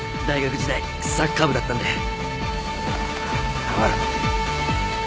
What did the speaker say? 大学時代サッカー部だったんで。